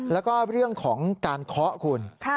แล้วก็เรื่องของการเคาะคุณ